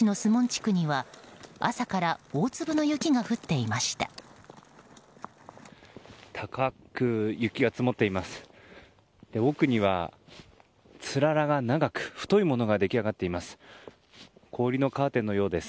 奥にはつららが長く太いものが出来上がっています。